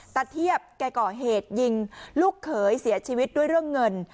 เทียบแกก่อเหตุยิงลูกเขยเสียชีวิตด้วยเรื่องเงิน